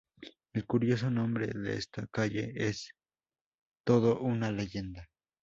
El curioso nombre de esta calle es todo una leyenda.